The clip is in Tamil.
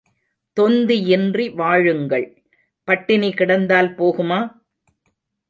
தொந்தியின்றி வாழுங்கள் பட்டினி கிடந்தால் போகுமா?